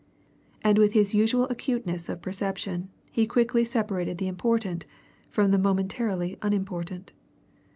And with his usual acuteness of perception he quickly separated the important from the momentarily unimportant.